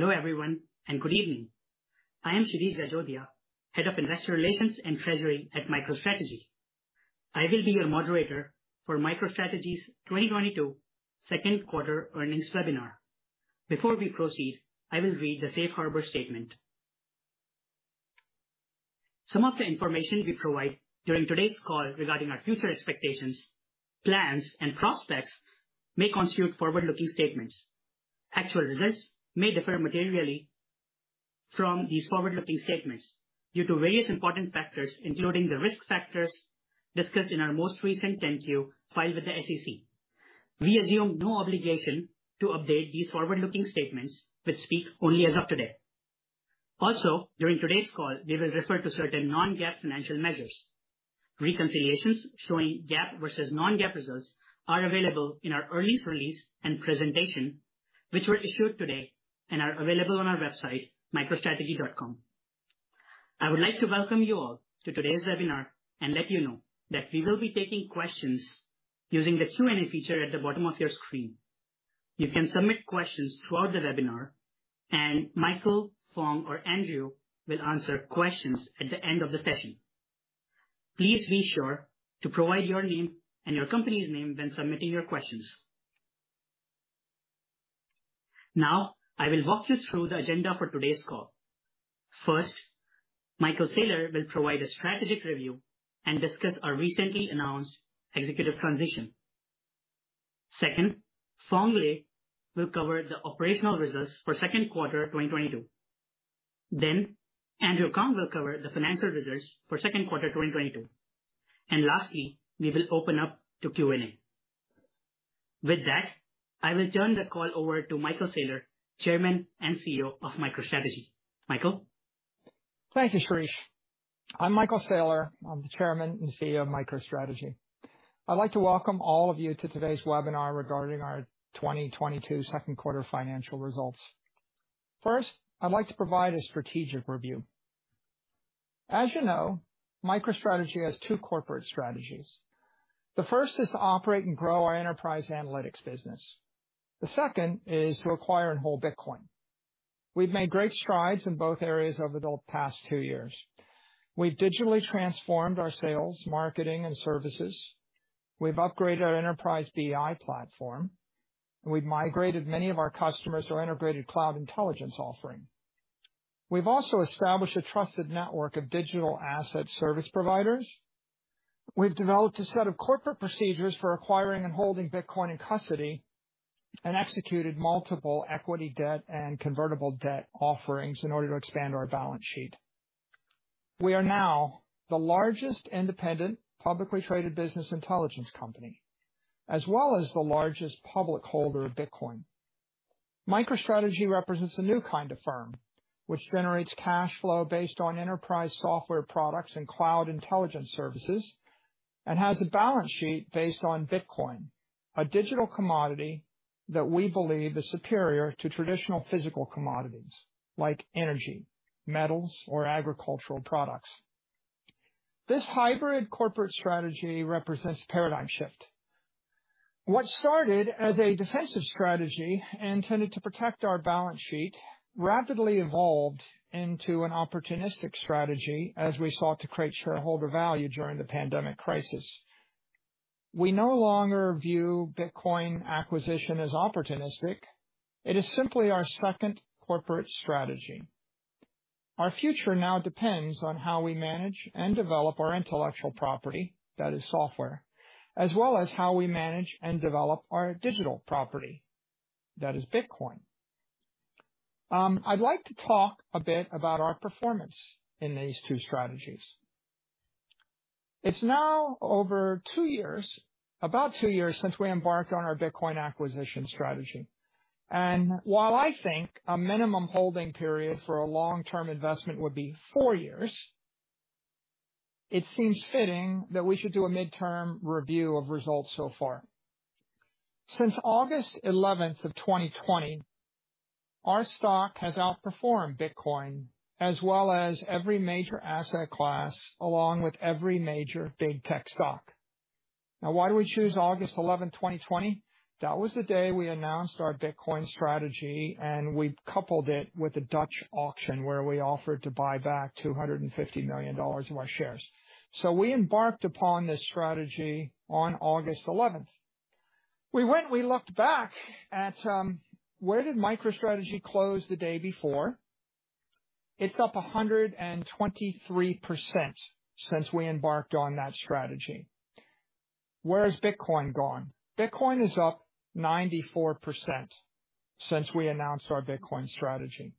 Hello everyone, and good evening. I am Shirish Jajodia, Head of Investor Relations and Treasury at MicroStrategy. I will be your moderator for MicroStrategy's 2022 Second Quarter Earnings Webinar. Before we proceed, I will read the safe harbor statement. Some of the information we provide during today's call regarding our future expectations, plans, and prospects may constitute forward-looking statements. Actual results may differ materially from these forward-looking statements due to various important factors, including the risk factors discussed in our most recent 10-Q filed with the SEC. We assume no obligation to update these forward-looking statements, which speak only as of today. Also, during today's call, we will refer to certain non-GAAP financial measures. Reconciliations showing GAAP versus non-GAAP results are available in our earnings release and presentation, which were issued today and are available on our website, microstrategy.com. I would like to welcome you all to today's webinar and let you know that we will be taking questions using the Q&A feature at the bottom of your screen. You can submit questions throughout the webinar, and Michael, Phong, or Andrew will answer questions at the end of the session. Please be sure to provide your name and your company's name when submitting your questions. Now, I will walk you through the agenda for today's call. First, Michael Saylor will provide a strategic review and discuss our recently announced executive transition. Second, Phong Le will cover the operational results for second quarter 2022. Then Andrew Kang will cover the financial results for second quarter 2022. Lastly, we will open up to Q&A. With that, I will turn the call over to Michael Saylor, Chairman and CEO of MicroStrategy. Michael? Thank you, Shirish. I'm Michael Saylor, I'm the Chairman and CEO of MicroStrategy. I'd like to welcome all of you to today's webinar regarding our 2022 second quarter financial results. First, I'd like to provide a strategic review. As you know, MicroStrategy has two corporate strategies. The first is to operate and grow our enterprise analytics business. The second is to acquire and hold Bitcoin. We've made great strides in both areas over the past two years. We've digitally transformed our sales, marketing, and services. We've upgraded our enterprise BI platform, and we've migrated many of our customers to our integrated cloud intelligence offering. We've also established a trusted network of digital asset service providers. We've developed a set of corporate procedures for acquiring and holding Bitcoin in custody, and executed multiple equity debt and convertible debt offerings in order to expand our balance sheet. We are now the largest independent, publicly traded business intelligence company, as well as the largest public holder of Bitcoin. MicroStrategy represents a new kind of firm, which generates cash flow based on enterprise software products and cloud intelligence services, and has a balance sheet based on Bitcoin, a digital commodity that we believe is superior to traditional physical commodities like energy, metals, or agricultural products. This hybrid corporate strategy represents a paradigm shift. What started as a defensive strategy intended to protect our balance sheet rapidly evolved into an opportunistic strategy as we sought to create shareholder value during the pandemic crisis. We no longer view Bitcoin acquisition as opportunistic. It is simply our second corporate strategy. Our future now depends on how we manage and develop our intellectual property, that is software, as well as how we manage and develop our digital property, that is Bitcoin. I'd like to talk a bit about our performance in these two strategies. It's now over two years, about two years, since we embarked on our Bitcoin acquisition strategy. While I think a minimum holding period for a long-term investment would be four years, it seems fitting that we should do a midterm review of results so far. Since August 11th, 2020, our stock has outperformed Bitcoin as well as every major asset class, along with every major big tech stock. Now, why do we choose August 11, 2020? That was the day we announced our Bitcoin strategy, and we coupled it with a Dutch auction where we offered to buy back $250 million of our shares. We embarked upon this strategy on August 11th. We went, we looked back at, where did MicroStrategy close the day before? It's up 123% since we embarked on that strategy. Where has Bitcoin gone? Bitcoin is up 94% since we announced our Bitcoin strategy.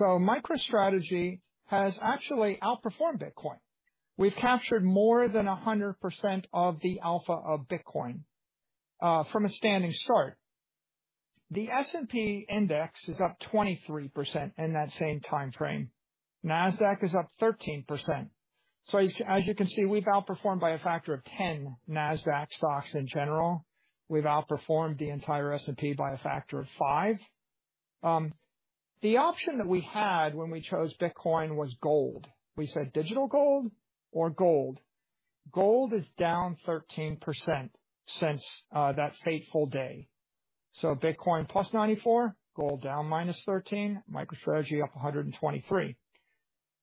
MicroStrategy has actually outperformed Bitcoin. We've captured more than 100% of the alpha of Bitcoin, from a standing start. The S&P index is up 23% in that same timeframe. Nasdaq is up 13%. As you can see, we've outperformed by a factor of 10% Nasdaq stocks in general. We've outperformed the entire S&P by a factor of five. The option that we had when we chose Bitcoin was gold. We said digital gold or gold. Gold is down 13% since that fateful day. Bitcoin +94%, gold down -13%, MicroStrategy up 123%.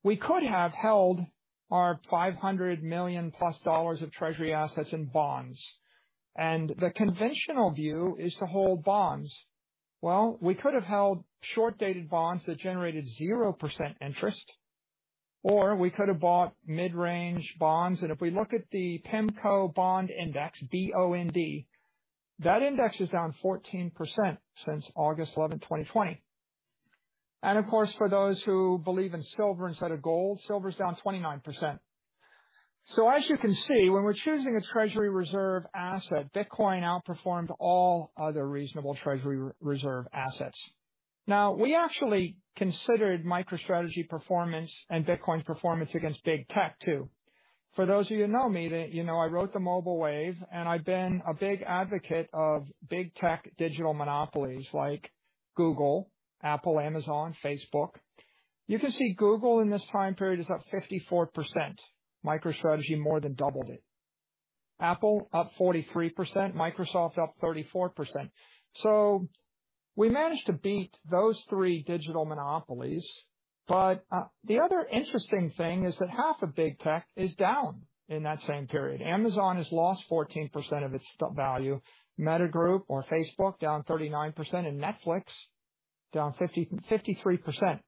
We could have held our $500 million+ of Treasury assets in bonds, and the conventional view is to hold bonds. Well, we could have held short-dated bonds that generated 0% interest, or we could have bought mid-range bonds. If we look at the PIMCO Bond Index, B-O-N-D, that index is down 14% since August 11, 2020. Of course, for those who believe in silver instead of gold, silver is down 29%. As you can see, when we're choosing a Treasury reserve asset, Bitcoin outperformed all other reasonable Treasury reserve assets. Now, we actually considered MicroStrategy performance and Bitcoin's performance against big tech too. For those of you who know me, then you know I wrote The Mobile Wave and I've been a big advocate of big tech digital monopolies like Google, Apple, Amazon, Facebook. You can see Google in this time period is up 54%. MicroStrategy more than doubled it. Apple up 43%, Microsoft up 34%. We managed to beat those three digital monopolies. The other interesting thing is that half of Big Tech is down in that same period. Amazon has lost 14% of its stock value. Meta Group or Facebook down 39%, and Netflix down 53%.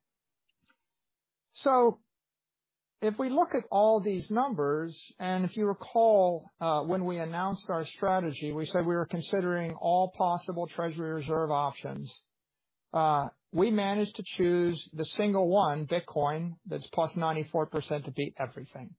If we look at all these numbers, and if you recall, when we announced our strategy, we said we were considering all possible Treasury reserve options. We managed to choose the single one, Bitcoin that's plus 94% to beat everything.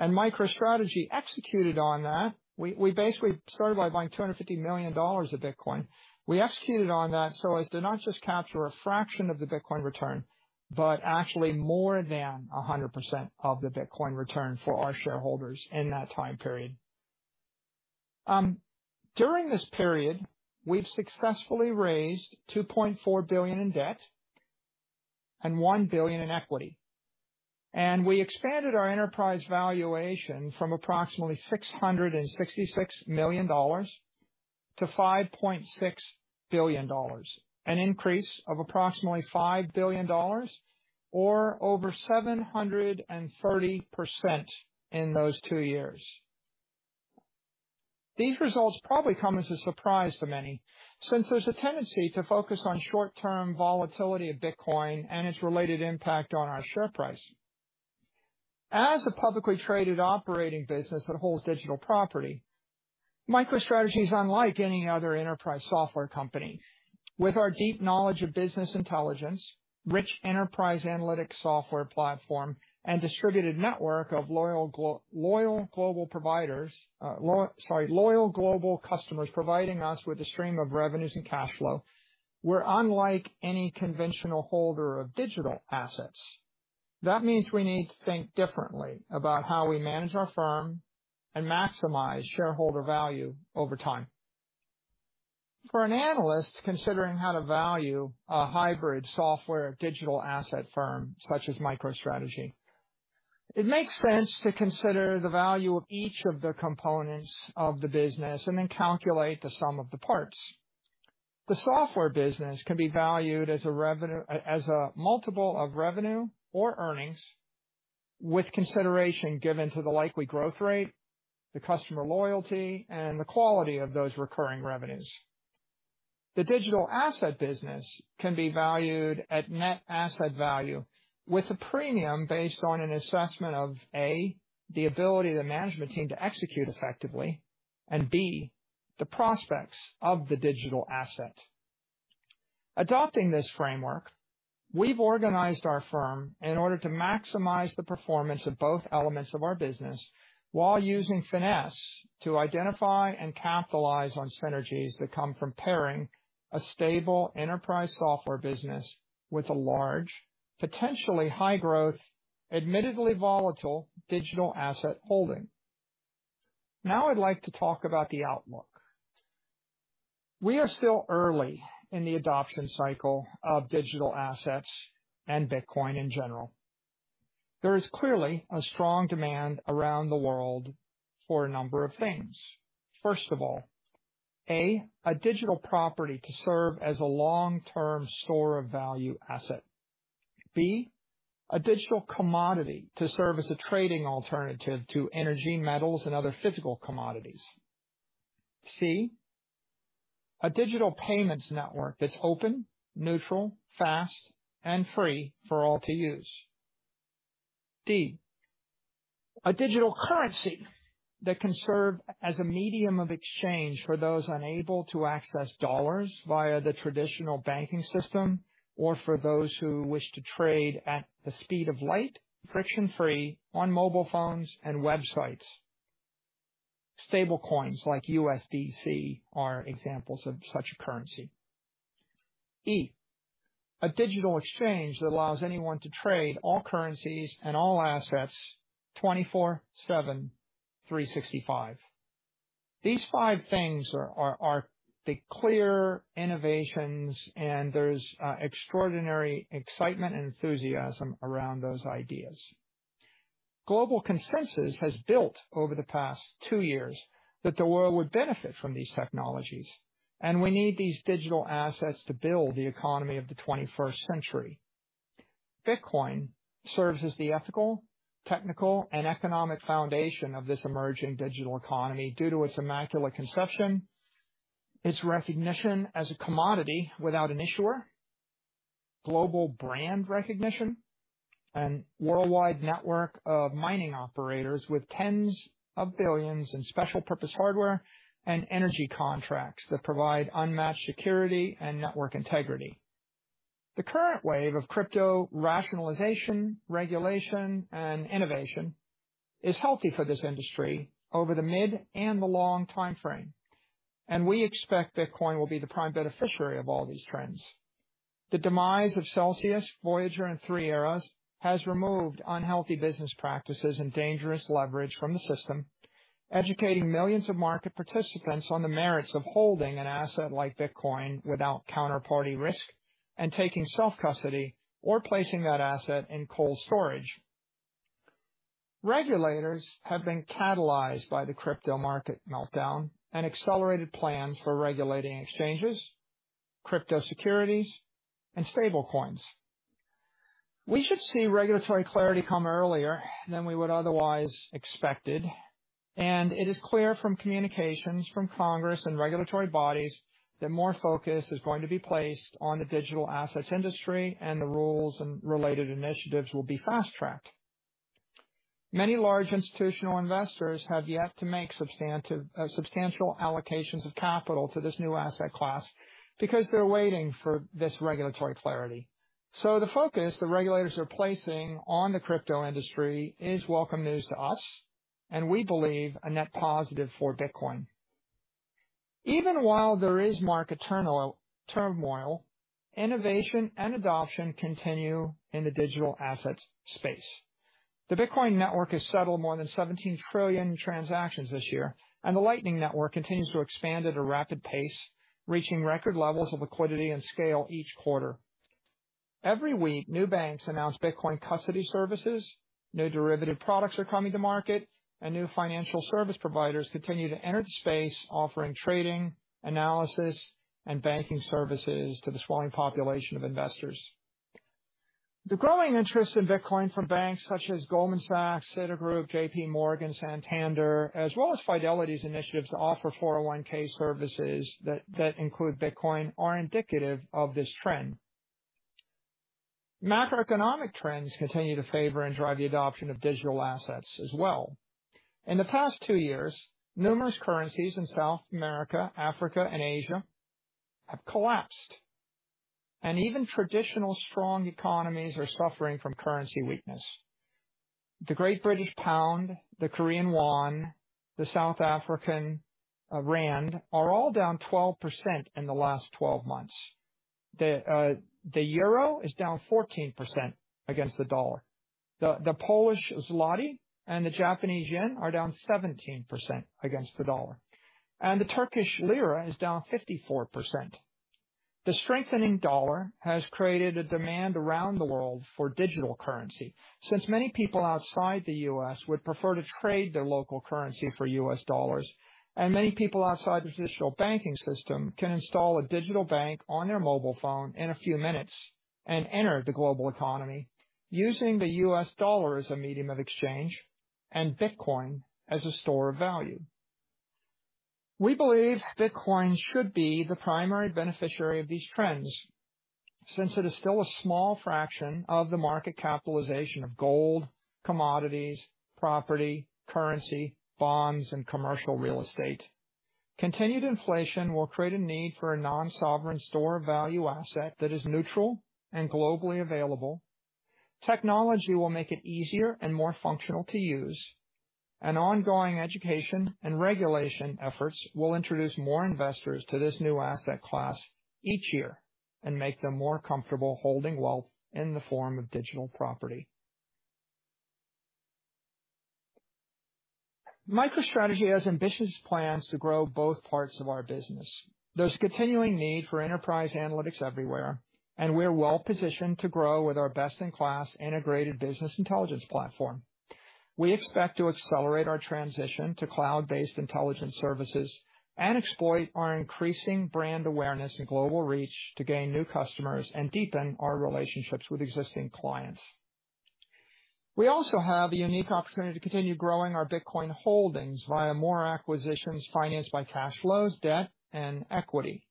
MicroStrategy executed on that. We basically started by buying $250 million of Bitcoin. We executed on that so as to not just capture a fraction of the Bitcoin return, but actually more than 100% of the Bitcoin return for our shareholders in that time period. During this period, we've successfully raised $2.4 billion in debt and $1 billion in equity. We expanded our enterprise valuation from approximately $666 million to $5.6 billion, an increase of approximately $5 billion or over 730% in those two years. These results probably come as a surprise to many, since there's a tendency to focus on short-term volatility of Bitcoin and its related impact on our share price. As a publicly traded operating business that holds digital property, MicroStrategy is unlike any other enterprise software company. With our deep knowledge of business intelligence, rich enterprise analytics software platform, and distributed network of loyal global customers providing us with a stream of revenues and cash flow, we're unlike any conventional holder of digital assets. That means we need to think differently about how we manage our firm and maximize shareholder value over time. For an analyst considering how to value a hybrid software digital asset firm such as MicroStrategy, it makes sense to consider the value of each of the components of the business and then calculate the sum of the parts. The software business can be valued as a multiple of revenue or earnings, with consideration given to the likely growth rate, the customer loyalty, and the quality of those recurring revenues. The digital asset business can be valued at net asset value with a premium based on an assessment of A, the ability of the management team to execute effectively, and B, the prospects of the digital asset. Adopting this framework, we've organized our firm in order to maximize the performance of both elements of our business while using finesse to identify and capitalize on synergies that come from pairing a stable enterprise software business with a large, potentially high growth, admittedly volatile digital asset holding. Now, I'd like to talk about the outlook. We are still early in the adoption cycle of digital assets and Bitcoin in general. There is clearly a strong demand around the world for a number of things. First of all, A, a digital property to serve as a long-term store of value asset. B, a digital commodity to serve as a trading alternative to energy, metals, and other physical commodities. C, a digital payments network that's open, neutral, fast and free for all to use. D, a digital currency that can serve as a medium of exchange for those unable to access dollars via the traditional banking system, or for those who wish to trade at the speed of light, friction-free on mobile phones and websites. Stablecoins like USDC are examples of such a currency. E, a digital exchange that allows anyone to trade all currencies and all assets 24/7, 365. These five things are the clear innovations and there's extraordinary excitement and enthusiasm around those ideas. Global consensus has built over the past two years that the world would benefit from these technologies, and we need these digital assets to build the economy of the 21st century. Bitcoin serves as the ethical, technical, and economic foundation of this emerging digital economy due to its immaculate conception, its recognition as a commodity without an issuer, global brand recognition, and worldwide network of mining operators with tens of billions in special purpose hardware and energy contracts that provide unmatched security and network integrity. The current wave of crypto rationalization, regulation, and innovation is healthy for this industry over the mid and the long time frame, and we expect Bitcoin will be the prime beneficiary of all these trends. The demise of Celsius, Voyager, and Three Arrows has removed unhealthy business practices and dangerous leverage from the system, educating millions of market participants on the merits of holding an asset like Bitcoin without counterparty risk and taking self-custody or placing that asset in cold storage. Regulators have been catalyzed by the crypto market meltdown and accelerated plans for regulating exchanges, crypto securities, and stablecoins. We should see regulatory clarity come earlier than we would otherwise expected, and it is clear from communications from Congress and regulatory bodies that more focus is going to be placed on the digital assets industry, and the rules and related initiatives will be fast-tracked. Many large institutional investors have yet to make substantial allocations of capital to this new asset class because they're waiting for this regulatory clarity. The focus the regulators are placing on the crypto industry is welcome news to us, and we believe a net positive for Bitcoin. Even while there is market turmoil, innovation and adoption continue in the digital assets space. The Bitcoin network has settled more than 17 trillion transactions this year, and the Lightning Network continues to expand at a rapid pace, reaching record levels of liquidity and scale each quarter. Every week, new banks announce Bitcoin custody services, new derivative products are coming to market, and new financial service providers continue to enter the space offering trading, analysis, and banking services to the swelling population of investors. The growing interest in Bitcoin from banks such as Goldman Sachs, Citigroup, JPMorgan, Santander, as well as Fidelity's initiatives to offer 401(k) services that include Bitcoin, are indicative of this trend. Macroeconomic trends continue to favor and drive the adoption of digital assets as well. In the past two years, numerous currencies in South America, Africa, and Asia have collapsed, and even traditional strong economies are suffering from currency weakness. The great British pound, the Korean won, the South African rand are all down 12% in the last 12 months. The euro is down 14% against the dollar. The Polish zloty and the Japanese yen are down 17% against the dollar, and the Turkish lira is down 54%. The strengthening dollar has created a demand around the world for digital currency since many people outside the U.S. would prefer to trade their local currency for US dollars, and many people outside the traditional banking system can install a digital bank on their mobile phone in a few minutes and enter the global economy using the US dollar as a medium of exchange and Bitcoin as a store of value. We believe Bitcoin should be the primary beneficiary of these trends since it is still a small fraction of the market capitalization of gold, commodities, property, currency, bonds, and commercial real estate. Continued inflation will create a need for a non-sovereign store of value asset that is neutral and globally available. Technology will make it easier and more functional to use. Ongoing education and regulation efforts will introduce more investors to this new asset class each year and make them more comfortable holding wealth in the form of digital property. MicroStrategy has ambitious plans to grow both parts of our business. There's continuing need for enterprise analytics everywhere, and we're well positioned to grow with our best-in-class integrated business intelligence platform. We expect to accelerate our transition to cloud-based intelligence services and exploit our increasing brand awareness and global reach to gain new customers and deepen our relationships with existing clients. We also have the unique opportunity to continue growing our Bitcoin holdings via more acquisitions financed by cash flows, debt, and equity.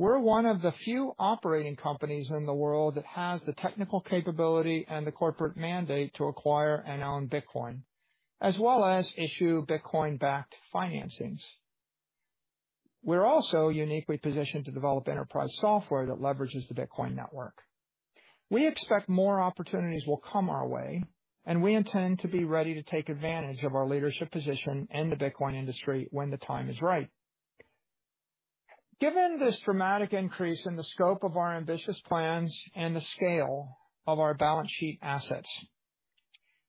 We're one of the few operating companies in the world that has the technical capability and the corporate mandate to acquire and own Bitcoin, as well as issue Bitcoin-backed financings. We're also uniquely positioned to develop enterprise software that leverages the Bitcoin network. We expect more opportunities will come our way, and we intend to be ready to take advantage of our leadership position in the Bitcoin industry when the time is right. Given this dramatic increase in the scope of our ambitious plans and the scale of our balance sheet assets,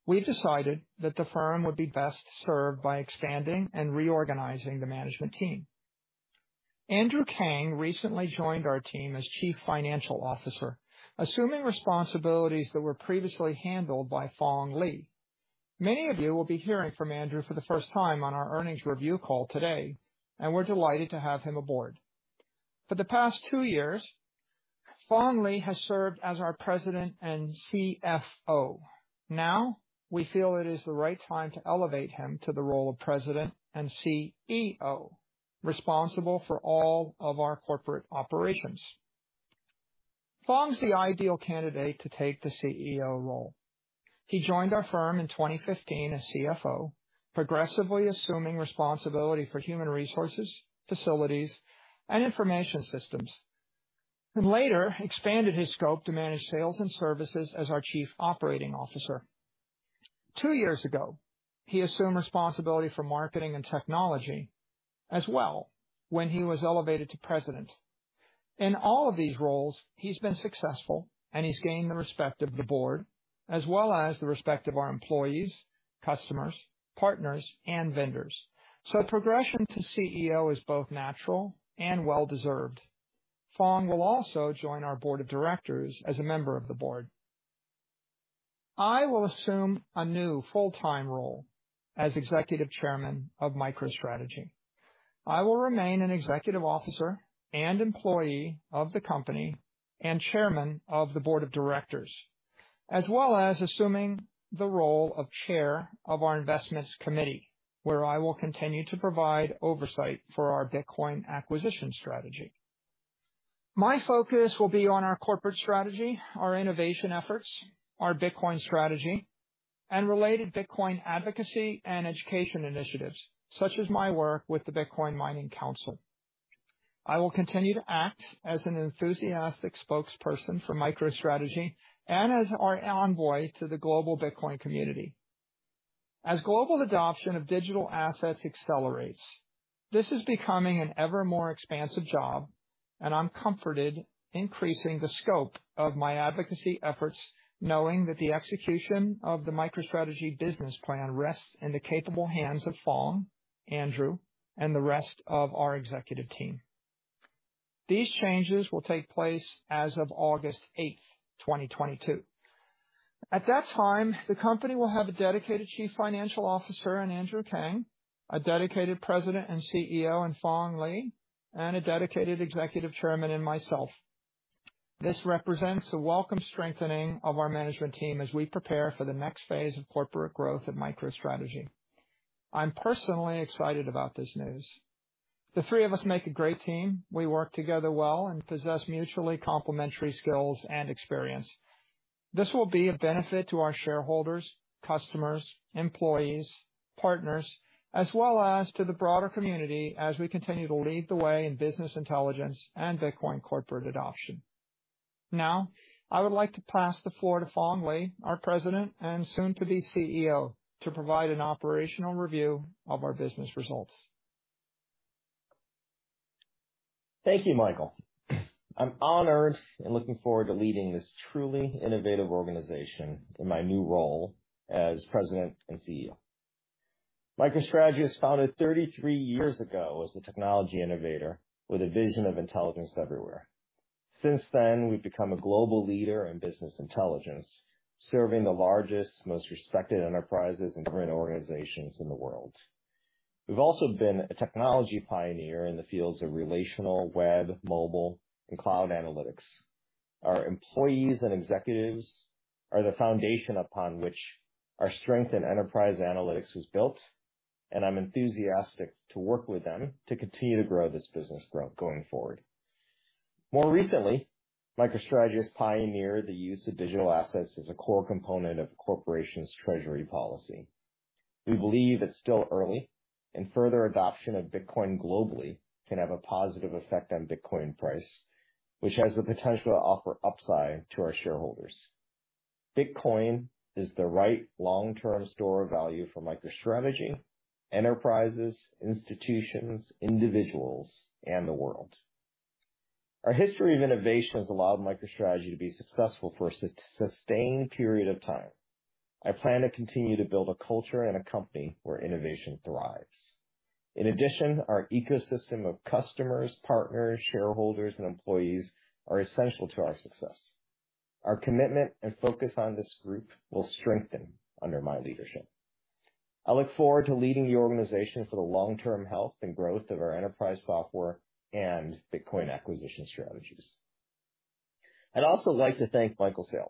we've decided that the firm would be best served by expanding and reorganizing the management team. Andrew Kang recently joined our team as Chief Financial Officer, assuming responsibilities that were previously handled by Phong Le. Many of you will be hearing from Andrew for the first time on our earnings review call today, and we're delighted to have him aboard. For the past two years, Phong Le has served as our President and CFO. Now, we feel it is the right time to elevate him to the role of President and CEO, responsible for all of our corporate operations. Phong's the ideal candidate to take the CEO role. He joined our firm in 2015 as CFO, progressively assuming responsibility for human resources, facilities, and information systems, and later expanded his scope to manage sales and services as our Chief Operating Officer. Two years ago, he assumed responsibility for marketing and technology as well when he was elevated to President. In all of these roles, he's been successful, and he's gained the respect of the Board as well as the respect of our employees, customers, partners, and vendors. The progression to CEO is both natural and well-deserved. Phong will also join our Board of Directors as a member of the Board. I will assume a new full-time role as Executive Chairman of MicroStrategy. I will remain an executive officer and employee of the company and Chairman of the Board of Directors, as well as assuming the role of Chair of our investments committee, where I will continue to provide oversight for our Bitcoin acquisition strategy. My focus will be on our corporate strategy, our innovation efforts, our Bitcoin strategy, and related Bitcoin advocacy and education initiatives, such as my work with the Bitcoin Mining Council. I will continue to act as an enthusiastic spokesperson for MicroStrategy and as our envoy to the global Bitcoin community. As global adoption of digital assets accelerates, this is becoming an ever more expansive job, and I'm comforted increasing the scope of my advocacy efforts, knowing that the execution of the MicroStrategy business plan rests in the capable hands of Phong, Andrew, and the rest of our executive team. These changes will take place as of August 8, 2022. At that time, the company will have a dedicated Chief Financial Officer in Andrew Kang, a dedicated President and CEO in Phong Le, and a dedicated Executive Chairman in myself. This represents a welcome strengthening of our management team as we prepare for the next phase of corporate growth at MicroStrategy. I'm personally excited about this news. The three of us make a great team. We work together well and possess mutually complementary skills and experience. This will be of benefit to our shareholders, customers, employees, partners, as well as to the broader community as we continue to lead the way in business intelligence and Bitcoin corporate adoption. Now, I would like to pass the floor to Phong Le, our President and soon to be CEO, to provide an operational review of our business results. Thank you, Michael. I'm honored and looking forward to leading this truly innovative organization in my new role as President and CEO. MicroStrategy was founded 33 years ago as a technology innovator with a vision of intelligence everywhere. Since then, we've become a global leader in business intelligence, serving the largest, most respected enterprises and government organizations in the world. We've also been a technology pioneer in the fields of relational, web, mobile, and cloud analytics. Our employees and executives are the foundation upon which our strength in enterprise analytics was built, and I'm enthusiastic to work with them to continue to grow this business going forward. More recently, MicroStrategy has pioneered the use of digital assets as a core component of the corporation's treasury policy. We believe it's still early and further adoption of Bitcoin globally can have a positive effect on Bitcoin price, which has the potential to offer upside to our shareholders. Bitcoin is the right long-term store of value for MicroStrategy, enterprises, institutions, individuals, and the world. Our history of innovation has allowed MicroStrategy to be successful for a sustained period of time. I plan to continue to build a culture and a company where innovation thrives. In addition, our ecosystem of customers, partners, shareholders, and employees are essential to our success. Our commitment and focus on this group will strengthen under my leadership. I look forward to leading the organization for the long-term health and growth of our enterprise software and Bitcoin acquisition strategies. I'd also like to thank Michael Saylor.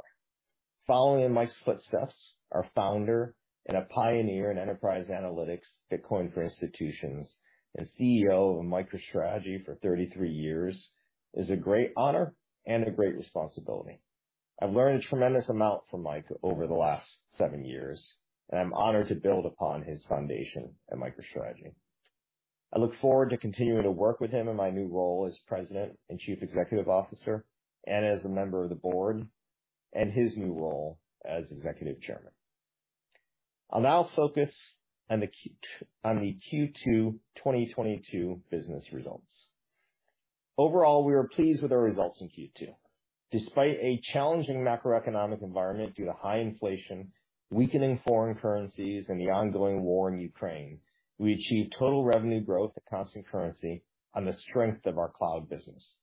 Following in Mike's footsteps, our founder and a pioneer in enterprise analytics, Bitcoin for institutions, and CEO of MicroStrategy for 33 years, is a great honor and a great responsibility. I've learned a tremendous amount from Mike over the last seven years, and I'm honored to build upon his foundation at MicroStrategy. I look forward to continuing to work with him in my new role as President and Chief Executive Officer and as a member of the Board, and his new role as Executive Chairman. I'll now focus on the Q2 2022 business results. Overall, we are pleased with our results in Q2. Despite a challenging macroeconomic environment due to high inflation, weakening foreign currencies, and the ongoing war in Ukraine, we achieved total revenue growth at constant currency on the strength of our cloud business.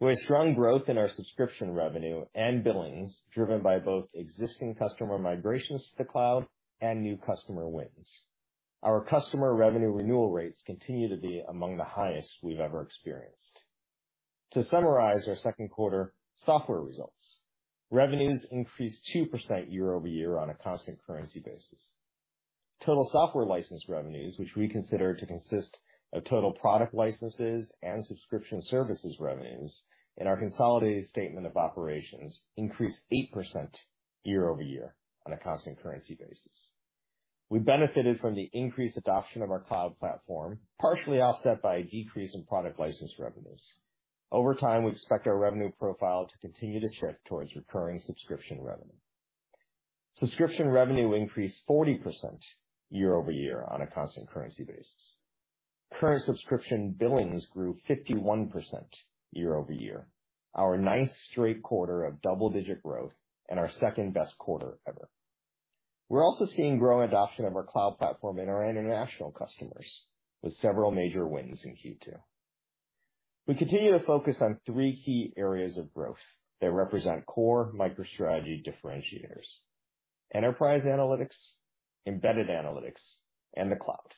We had strong growth in our subscription revenue and billings driven by both existing customer migrations to the cloud and new customer wins. Our customer revenue renewal rates continue to be among the highest we've ever experienced. To summarize our second quarter software results, revenues increased 2% year-over-year on a constant currency basis. Total software license revenues, which we consider to consist of total product licenses and subscription services revenues in our consolidated statement of operations, increased 8% year-over-year on a constant currency basis. We benefited from the increased adoption of our Cloud Platform, partially offset by a decrease in product license revenues. Over time, we expect our revenue profile to continue to shift towards recurring subscription revenue. Subscription revenue increased 40% year-over-year on a constant currency basis. Current subscription billings grew 51% year-over-year, our ninth straight quarter of double-digit growth and our second-best quarter ever. We're also seeing growing adoption of our Cloud Platform in our international customers, with several major wins in Q2. We continue to focus on three key areas of growth that represent core MicroStrategy differentiators, enterprise analytics, embedded analytics, and the cloud.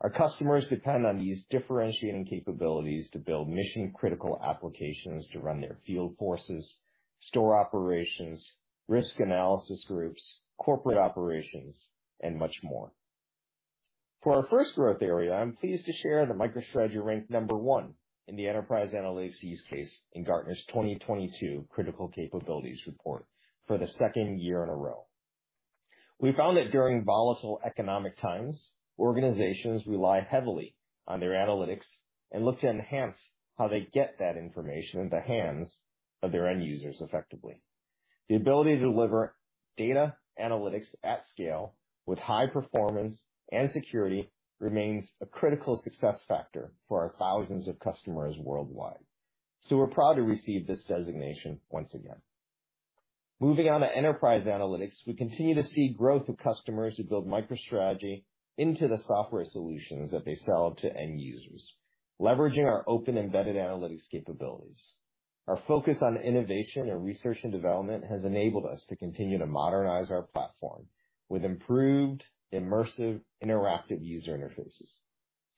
Our customers depend on these differentiating capabilities to build mission-critical applications to run their field forces, store operations, risk analysis groups, corporate operations, and much more. For our first growth area, I'm pleased to share that MicroStrategy ranked number one in the enterprise analytics use case in Gartner's 2022 Critical Capabilities Report for the second year in a row. We found that during volatile economic times, organizations rely heavily on their analytics and look to enhance how they get that information in the hands of their end users effectively. The ability to deliver data analytics at scale with high performance and security remains a critical success factor for our thousands of customers worldwide, so we're proud to receive this designation once again. Moving on to enterprise analytics, we continue to see growth of customers who build MicroStrategy into the software solutions that they sell to end users, leveraging our open embedded analytics capabilities. Our focus on innovation and research and development has enabled us to continue to modernize our platform with improved immersive interactive user interfaces,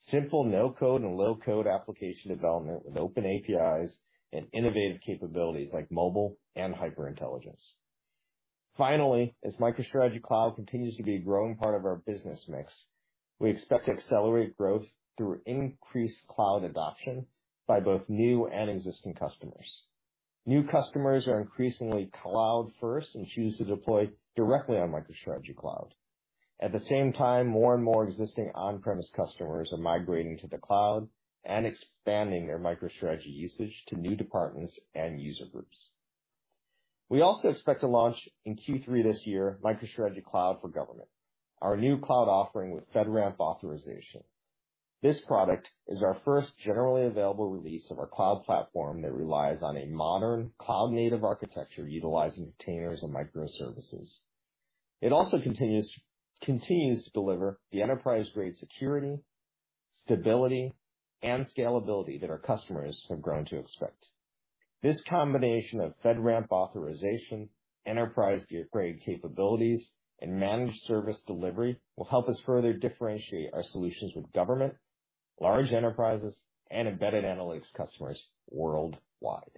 simple no-code and low-code application development with open APIs and innovative capabilities like mobile and HyperIntelligence. Finally, as MicroStrategy Cloud continues to be a growing part of our business mix, we expect to accelerate growth through increased cloud adoption by both new and existing customers. New customers are increasingly cloud first and choose to deploy directly on MicroStrategy Cloud. At the same time, more and more existing on-premise customers are migrating to the cloud and expanding their MicroStrategy usage to new departments and user groups. We also expect to launch in Q3 this year MicroStrategy Cloud for Government, our new cloud offering with FedRAMP authorization. This product is our first generally available release of our Cloud Platform that relies on a modern cloud-native architecture utilizing containers and microservices. It also continues to deliver the enterprise-grade security, stability, and scalability that our customers have grown to expect. This combination of FedRAMP authorization, enterprise-grade capabilities, and managed service delivery will help us further differentiate our solutions with government, large enterprises, and embedded analytics customers worldwide.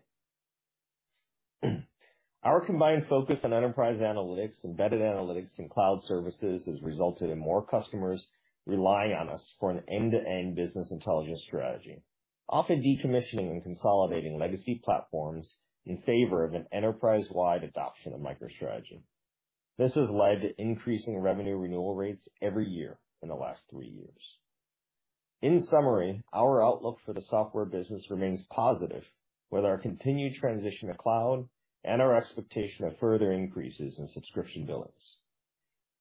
Our combined focus on enterprise analytics, embedded analytics and cloud services has resulted in more customers relying on us for an end-to-end business intelligence strategy, often decommissioning and consolidating legacy platforms in favor of an enterprise-wide adoption of MicroStrategy. This has led to increasing revenue renewal rates every year in the last three years. In summary, our outlook for the software business remains positive with our continued transition to cloud and our expectation of further increases in subscription billings.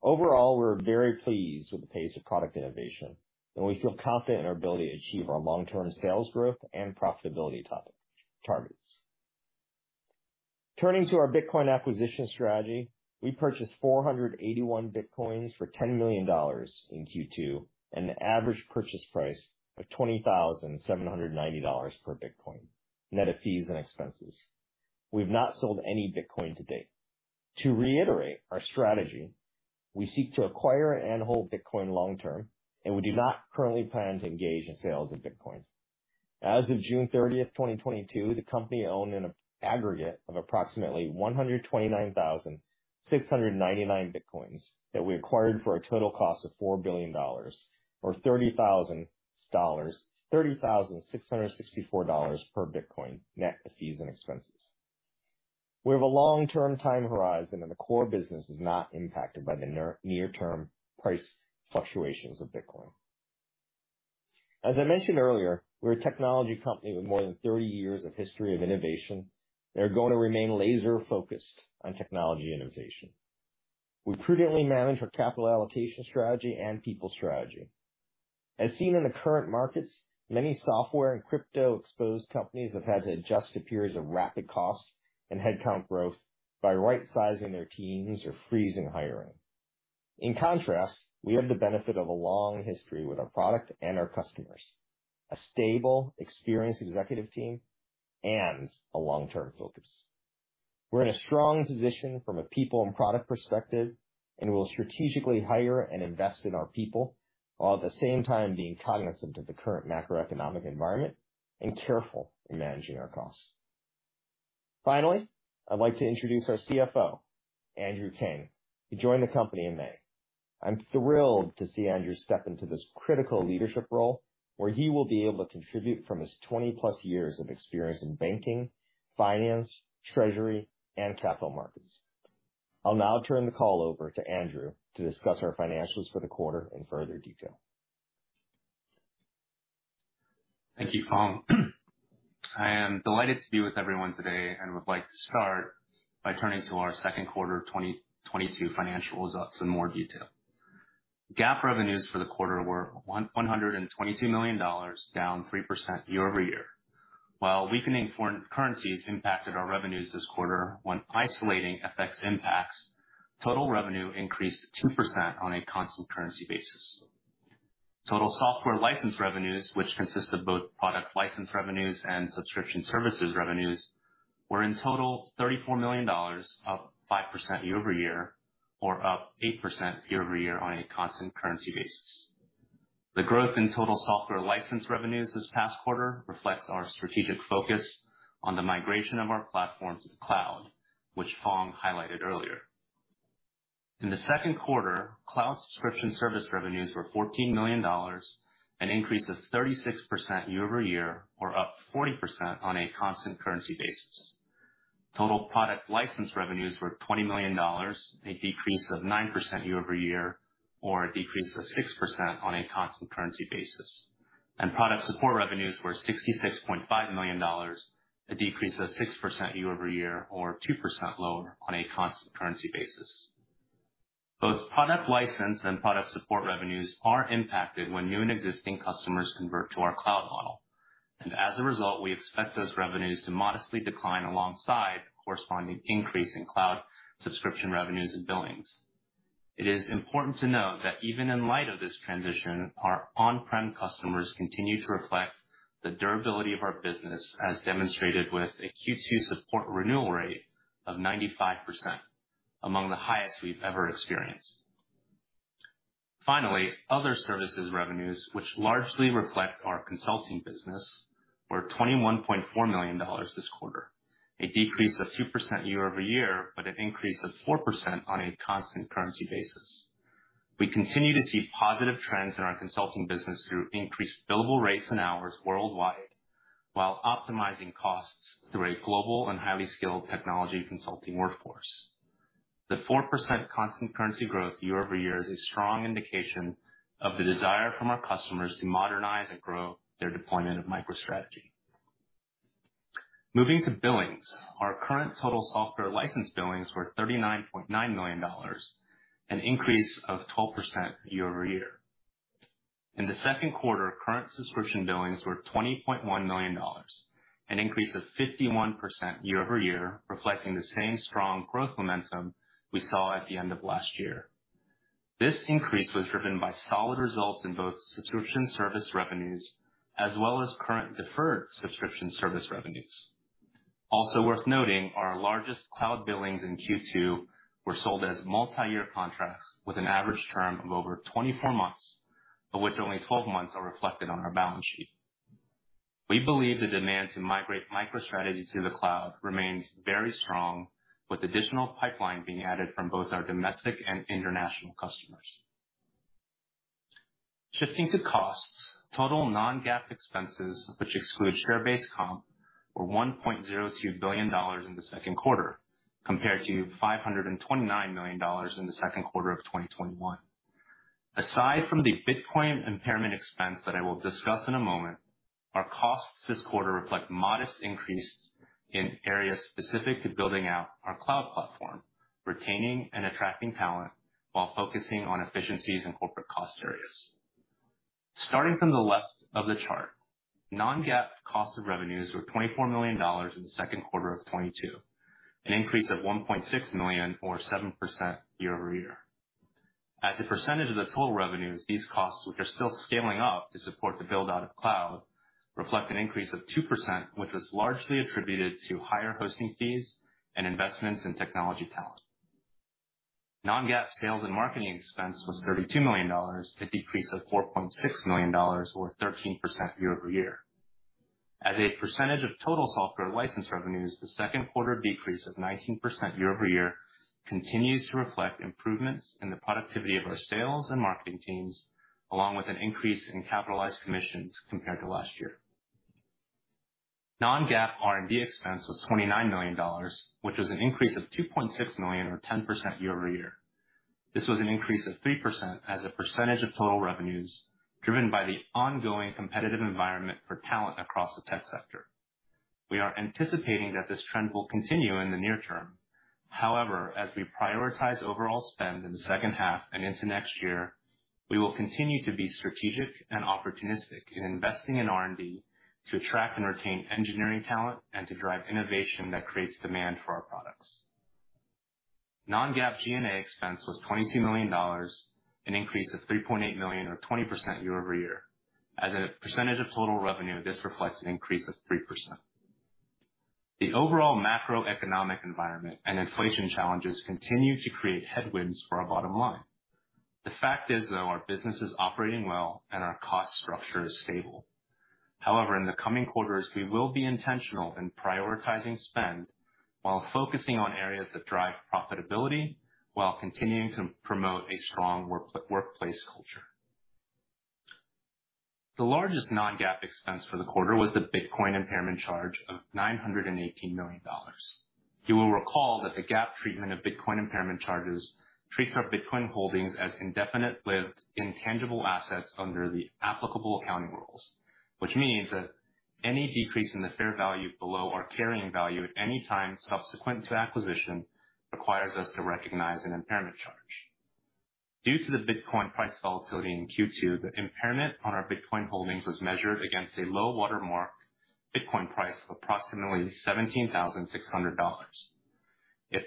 Overall, we're very pleased with the pace of product innovation, and we feel confident in our ability to achieve our long-term sales growth and profitability targets. Turning to our Bitcoin acquisition strategy, we purchased 481 Bitcoins for $10 million in Q2 at an average purchase price of $20,790 per Bitcoin, net of fees and expenses. We've not sold any Bitcoin to date. To reiterate our strategy, we seek to acquire and hold Bitcoin long-term, and we do not currently plan to engage in sales of Bitcoin. As of June thirtieth, 2022, the company owned an aggregate of approximately 129,699 Bitcoins that we acquired for a total cost of $4 billion or $30,664 per Bitcoin, net of fees and expenses. We have a long-term time horizon, and the core business is not impacted by the near-term price fluctuations of Bitcoin. As I mentioned earlier, we're a technology company with more than 30 years of history of innovation that are gonna remain laser-focused on technology innovation. We prudently manage our capital allocation strategy and people strategy. As seen in the current markets, many software and crypto-exposed companies have had to adjust to periods of rapid cost and headcount growth by rightsizing their teams or freezing hiring. In contrast, we have the benefit of a long history with our product and our customers, a stable, experienced executive team, and a long-term focus. We're in a strong position from a people and product perspective, and we'll strategically hire and invest in our people, while at the same time being cognizant of the current macroeconomic environment and careful in managing our costs. Finally, I'd like to introduce our CFO, Andrew Kang, who joined the company in May. I'm thrilled to see Andrew step into this critical leadership role, where he will be able to contribute from his 20+ years of experience in banking, finance, treasury, and capital markets. I'll now turn the call over to Andrew to discuss our financials for the quarter in further detail. Thank you, Phong. I am delighted to be with everyone today and would like to start by turning to our second quarter of 2022 financial results in more detail. GAAP revenues for the quarter were $122 million, down 3% year-over-year. While weakening foreign currencies impacted our revenues this quarter, when isolating FX impacts, total revenue increased 2% on a constant currency basis. Total software license revenues, which consist of both product license revenues and subscription services revenues, were in total $34 million, up 5% year-over-year, or up 8% year-over-year on a constant currency basis. The growth in total software license revenues this past quarter reflects our strategic focus on the migration of our platforms to the cloud, which Phong highlighted earlier. In the second quarter, cloud subscription service revenues were $14 million, an increase of 36% year-over-year or up 40% on a constant currency basis. Total product license revenues were $20 million, a decrease of 9% year-over-year, or a decrease of 6% on a constant currency basis. Product support revenues were $66.5 million, a decrease of 6% year-over-year or 2% lower on a constant currency basis. Both product license and product support revenues are impacted when new and existing customers convert to our cloud model, and as a result, we expect those revenues to modestly decline alongside corresponding increase in cloud subscription revenues and billings. It is important to note that even in light of this transition, our on-prem customers continue to reflect the durability of our business, as demonstrated with a Q2 support renewal rate of 95%, among the highest we've ever experienced. Finally, other services revenues, which largely reflect our consulting business, were $21.4 million this quarter, a decrease of 2% year-over-year, but an increase of 4% on a constant currency basis. We continue to see positive trends in our consulting business through increased billable rates and hours worldwide, while optimizing costs through a global and highly skilled technology consulting workforce. The 4% constant currency growth year-over-year is a strong indication of the desire from our customers to modernize and grow their deployment of MicroStrategy. Moving to billings. Our current total software license billings were $39.9 million, an increase of 12% year-over-year. In the second quarter, current subscription billings were $20.1 million, an increase of 51% year-over-year, reflecting the same strong growth momentum we saw at the end of last year. This increase was driven by solid results in both subscription service revenues as well as current deferred subscription service revenues. Also worth noting, our largest cloud billings in Q2 were sold as multi-year contracts with an average term of over 24 months, but only 12 months are reflected on our balance sheet. We believe the demand to migrate MicroStrategy to the cloud remains very strong, with additional pipeline being added from both our domestic and international customers. Shifting to costs. Total non-GAAP expenses, which exclude share-based comp, were $1.02 billion in the second quarter compared to $529 million in the second quarter of 2021. Aside from the Bitcoin impairment expense that I will discuss in a moment, our costs this quarter reflect modest increases in areas specific to building out our Cloud Platform, retaining and attracting talent, while focusing on efficiencies in corporate cost areas. Starting from the left of the chart, non-GAAP cost of revenues were $24 million in the second quarter of 2022, an increase of $1.6 million or 7% year-over-year. As a percentage of the total revenues, these costs, which are still scaling up to support the build-out of cloud, reflect an increase of 2%, which was largely attributed to higher hosting fees and investments in technology talent. Non-GAAP sales and marketing expense was $32 million, a decrease of $4.6 million or 13% year-over-year. As a percentage of total software license revenues, the second quarter decrease of 19% year-over-year continues to reflect improvements in the productivity of our sales and marketing teams, along with an increase in capitalized commissions compared to last year. Non-GAAP R&D expense was $29 million, which was an increase of $2.6 million or 10% year-over-year. This was an increase of 3% as a percentage of total revenues, driven by the ongoing competitive environment for talent across the tech sector. We are anticipating that this trend will continue in the near term. However, as we prioritize overall spend in the second half and into next year, we will continue to be strategic and opportunistic in investing in R&D to attract and retain engineering talent and to drive innovation that creates demand for our products. Non-GAAP G&A expense was $22 million, an increase of $3.8 million or 20% year-over-year. As a percentage of total revenue, this reflects an increase of 3%. The overall macroeconomic environment and inflation challenges continue to create headwinds for our bottom line. The fact is, though, our business is operating well and our cost structure is stable. However, in the coming quarters, we will be intentional in prioritizing spend while focusing on areas that drive profitability while continuing to promote a strong workplace culture. The largest non-GAAP expense for the quarter was the Bitcoin impairment charge of $918 million. You will recall that the GAAP treatment of Bitcoin impairment charges treats our Bitcoin holdings as indefinite-lived intangible assets under the applicable accounting rules, which means that any decrease in the fair value below our carrying value at any time subsequent to acquisition requires us to recognize an impairment charge. Due to the Bitcoin price volatility in Q2, the impairment on our Bitcoin holdings was measured against a low-water mark Bitcoin price of approximately $17,600. If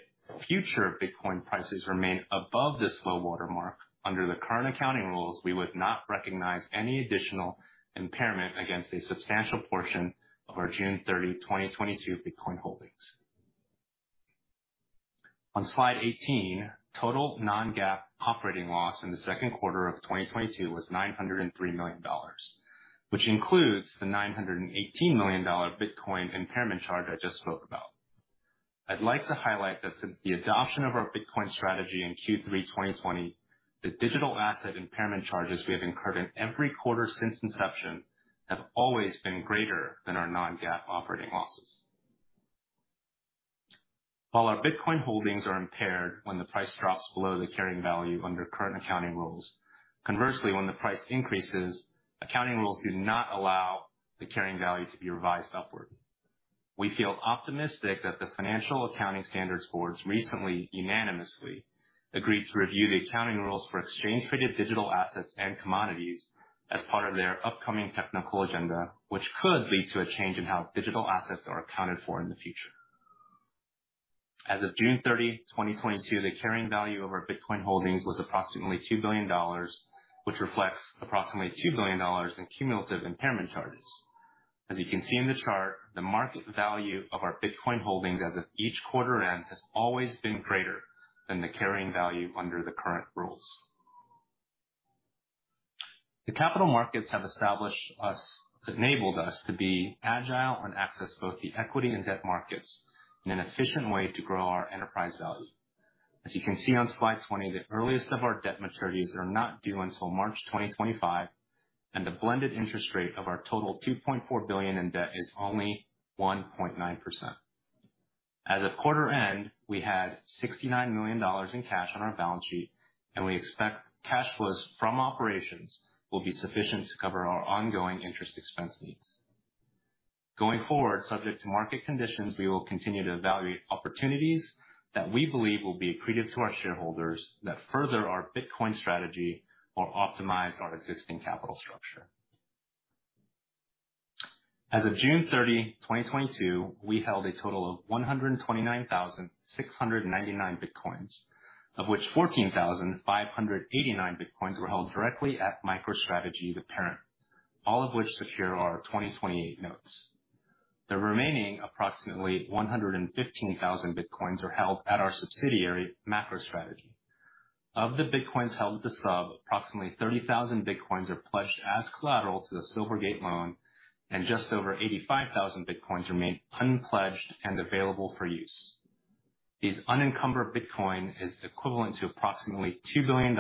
future Bitcoin prices remain above this low-water mark, under the current accounting rules, we would not recognize any additional impairment against a substantial portion of our June 30, 2022 Bitcoin holdings. On slide 18, total non-GAAP operating loss in the second quarter of 2022 was $903 million, which includes the $918 million Bitcoin impairment charge I just spoke about. I'd like to highlight that since the adoption of our Bitcoin strategy in Q3 2020, the digital asset impairment charges we have incurred in every quarter since inception have always been greater than our non-GAAP operating losses. While our Bitcoin holdings are impaired when the price drops below the carrying value under current accounting rules, conversely, when the price increases, accounting rules do not allow the carrying value to be revised upward. We feel optimistic that the Financial Accounting Standards Board's recently unanimously agreed to review the accounting rules for exchange traded digital assets and commodities as part of their upcoming technical agenda, which could lead to a change in how digital assets are accounted for in the future. As of June 30, 2022, the carrying value of our Bitcoin holdings was approximately $2 billion, which reflects approximately $2 billion in cumulative impairment charges. As you can see in the chart, the market value of our Bitcoin holdings as of each quarter end has always been greater than the carrying value under the current rules. The capital markets have enabled us to be agile and access both the equity and debt markets in an efficient way to grow our enterprise value. As you can see on slide 20, the earliest of our debt maturities are not due until March 2025, and the blended interest rate of our total $2.4 billion in debt is only 1.9%. As of quarter end, we had $69 million in cash on our balance sheet, and we expect cash flows from operations will be sufficient to cover our ongoing interest expense needs. Going forward, subject to market conditions, we will continue to evaluate opportunities that we believe will be accretive to our shareholders that further our Bitcoin strategy or optimize our existing capital structure. As of June 30, 2022, we held a total of 129,699 Bitcoins, of which 14,589 Bitcoins were held directly at MicroStrategy, the parent, all of which secure our 2028 notes. The remaining approximately 115,000 Bitcoins are held at our subsidiary, MacroStrategy. Of the Bitcoins held at the sub, approximately 30,000 Bitcoins are pledged as collateral to the Silvergate loan and just over 85,000 Bitcoins remain unpledged and available for use. These unencumbered Bitcoins are equivalent to approximately $2 billion,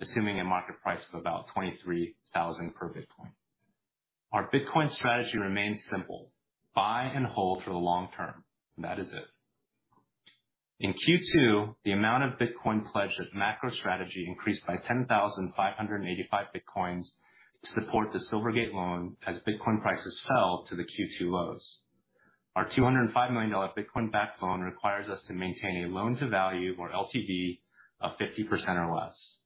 assuming a market price of about $23,000 per Bitcoin. Our Bitcoin strategy remains simple: buy and hold for the long-term. That is it. In Q2, the amount of Bitcoin pledged at MacroStrategy increased by 10,585 Bitcoins to support the Silvergate loan as Bitcoin prices fell to the Q2 lows. Our $205 million Bitcoin-backed loan requires us to maintain a loan to value, or LTV, of 50% or less,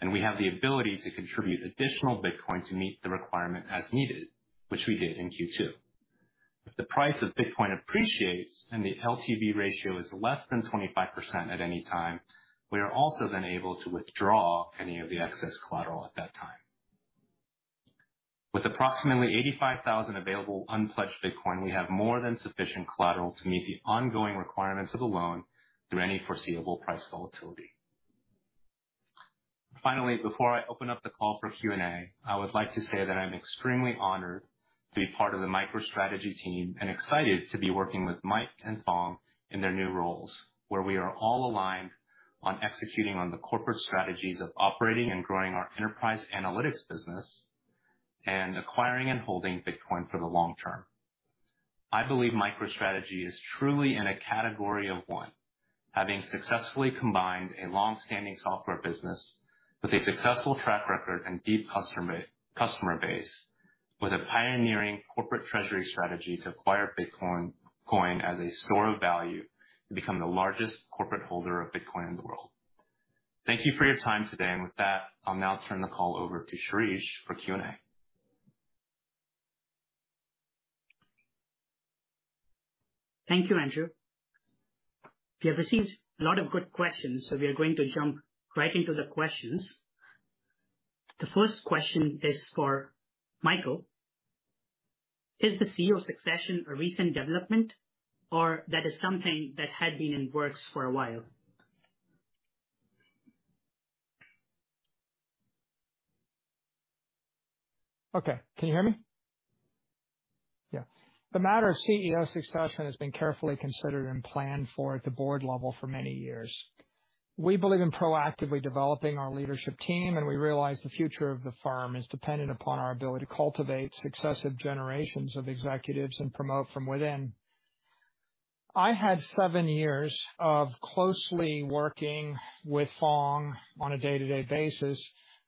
and we have the ability to contribute additional Bitcoin to meet the requirement as needed, which we did in Q2. If the price of Bitcoin appreciates and the LTV ratio is less than 25% at any time, we are also then able to withdraw any of the excess collateral at that time. With approximately 85,000 available unpledged Bitcoin, we have more than sufficient collateral to meet the ongoing requirements of the loan through any foreseeable price volatility. Finally, before I open up the call for Q&A, I would like to say that I'm extremely honored to be part of the MicroStrategy team and excited to be working with Mike and Phong in their new roles, where we are all aligned. On executing on the corporate strategies of operating and growing our enterprise analytics business and acquiring and holding Bitcoin for the long-term. I believe MicroStrategy is truly in a category of one, having successfully combined a long-standing software business with a successful track record and deep customer base, with a pioneering corporate treasury strategy to acquire Bitcoin as a store of value to become the largest corporate holder of Bitcoin in the world. Thank you for your time today. With that, I'll now turn the call over to Shirish for Q&A. Thank you, Andrew. We have received a lot of good questions, so we are going to jump right into the questions. The first question is for Michael. Is the CEO succession a recent development or that is something that had been in the works for a while? Okay. Can you hear me? Yeah. The matter of CEO succession has been carefully considered and planned for at the Board level for many years. We believe in proactively developing our leadership team, and we realize the future of the firm is dependent upon our ability to cultivate successive generations of executives and promote from within. I had seven years of closely working with Phong on a day-to-day basis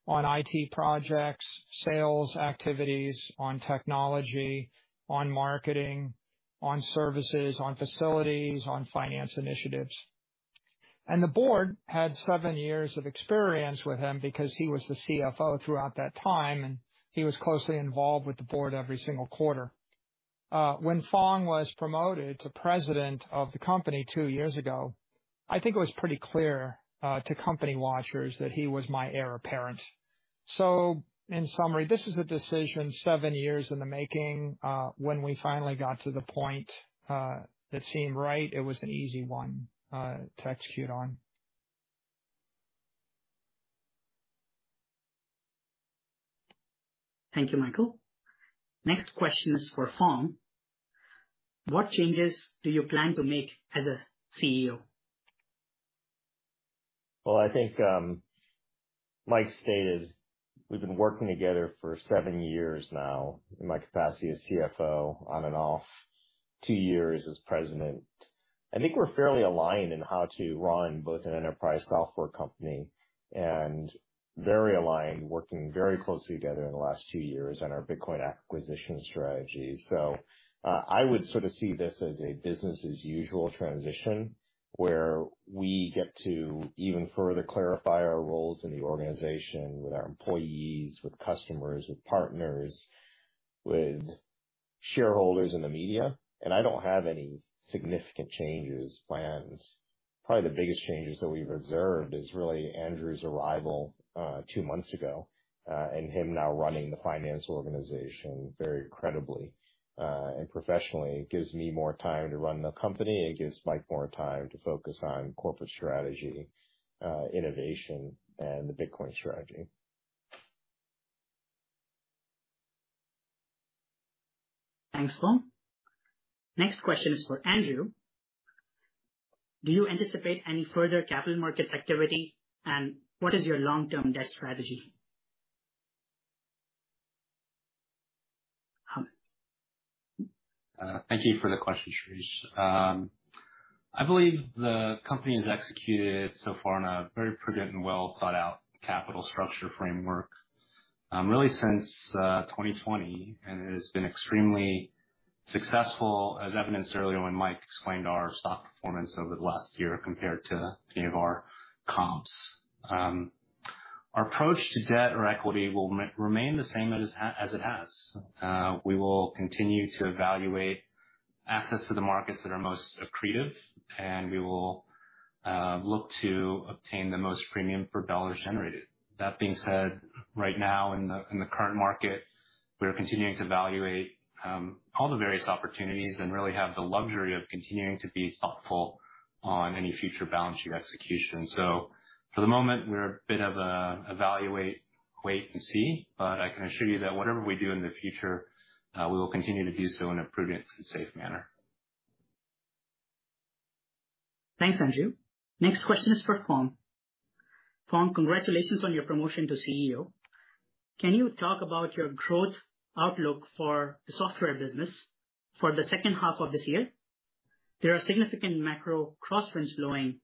on IT projects, sales activities, on technology, on marketing, on services, on facilities, on finance initiatives. The Board had seven years of experience with him because he was the CFO throughout that time, and he was closely involved with the Board every single quarter. When Phong was promoted to president of the company two years ago, I think it was pretty clear to company watchers that he was my heir apparent. In summary, this is a decision seven years in the making. When we finally got to the point that seemed right, it was an easy one to execute on. Thank you, Michael. Next question is for Phong. What changes do you plan to make as a CEO? Well, I think, Mike stated we've been working together for seven years now in my capacity as CFO, on and off two years as President. I think we're fairly aligned in how to run both an enterprise software company and very aligned, working very closely together in the last two years on our Bitcoin acquisition strategy. I would sort of see this as a business as usual transition, where we get to even further clarify our roles in the organization with our employees, with customers, with partners, with shareholders in the media. I don't have any significant changes planned. Probably the biggest changes that we've observed is really Andrew's arrival, two months ago, and him now running the finance organization very credibly, and professionally. It gives me more time to run the company. It gives Mike more time to focus on corporate strategy, innovation and the Bitcoin strategy. Thanks, Phong. Next question is for Andrew. Do you anticipate any further capital markets activity, and what is your long-term debt strategy? Thank you for the question, Shirish. I believe the company has executed so far on a very prudent and well-thought-out capital structure framework, really since 2020, and it has been extremely successful, as evidenced earlier when Mike explained our stock performance over the last year compared to any of our comps. Our approach to debt or equity will remain the same as it has. We will continue to evaluate access to the markets that are most accretive, and we will look to obtain the most premium for dollars generated. That being said, right now in the current market, we are continuing to evaluate all the various opportunities and really have the luxury of continuing to be thoughtful on any future balance sheet execution. For the moment, we're a bit of a wait and see, but I can assure you that whatever we do in the future, we will continue to do so in a prudent and safe manner. Thanks, Andrew. Next question is for Phong. Phong, congratulations on your promotion to CEO. Can you talk about your growth outlook for the software business for the second half of this year? There are significant macro crosswinds blowing.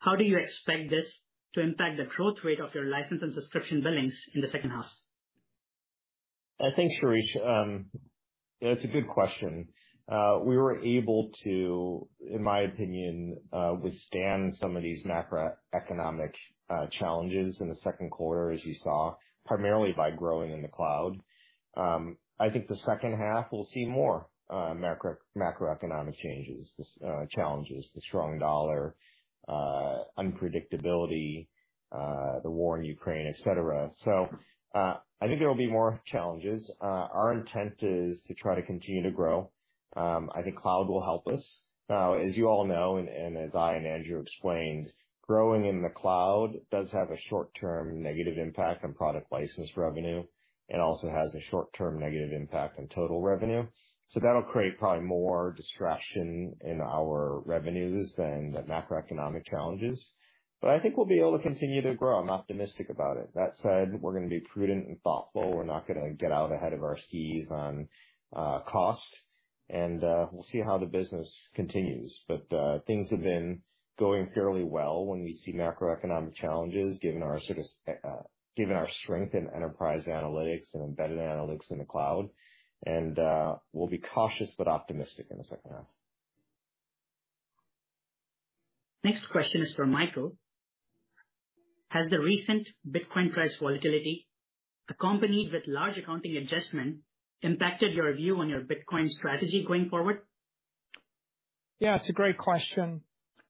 How do you expect this to impact the growth rate of your license and subscription billings in the second half? Thanks, Shirish. It's a good question. We were able to, in my opinion, withstand some of these macroeconomic challenges in the second quarter, as you saw, primarily by growing in the cloud. I think the second half we'll see more macroeconomic changes, challenges, the strong dollar, unpredictability, the war in Ukraine, et cetera. I think there will be more challenges. Our intent is to try to continue to grow. I think cloud will help us. As you all know, and as I and Andrew explained, growing in the cloud does have a short-term negative impact on product license revenue and also has a short-term negative impact on total revenue. That'll create probably more distraction in our revenues than the macroeconomic challenges. But I think we'll be able to continue to grow. I'm optimistic about it. That said, we're gonna be prudent and thoughtful. We're not gonna get out ahead of our skis on costs. We'll see how the business continues. Things have been going fairly well when we see macroeconomic challenges, given our strength in enterprise analytics and embedded analytics in the cloud. We'll be cautious but optimistic in the second half. Next question is for Michael. Has the recent Bitcoin price volatility, accompanied with large accounting adjustment, impacted your view on your Bitcoin strategy going forward? Yeah, it's a great question.